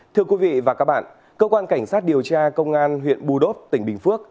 thưa quý vị và các bạn cơ quan cảnh sát điều tra công an huyện bù đốt tỉnh bình phước